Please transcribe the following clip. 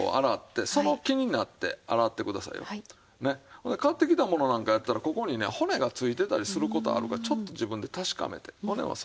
ほんで買ってきたものなんかやったらここにね骨が付いてたりする事あるからちょっと自分で確かめて骨をそがなあきません。